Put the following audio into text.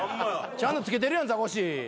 ちゃんと着けてるやんザコシ。